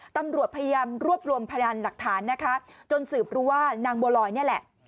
ตำรวจพยายามรวบรวมพยานหลักฐานนะคะจนสืบรู้ว่านางบัวลอยนี่แหละ